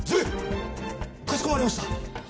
かしこまりました。